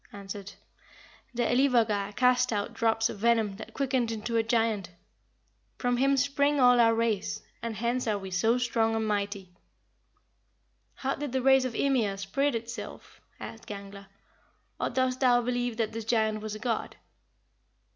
answered, 'The Elivagar cast out drops of venom that quickened into a giant. From him spring all our race, and hence are we so strong and mighty.'" "How did the race of Ymir spread itself?" asked Gangler; "or dost thou believe that this giant was a god?"